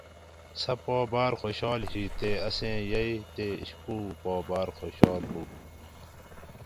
سہ پا باۤر خوشال ہی تے اسیں یئی تے اشپو پا باۤر خوشال ہُو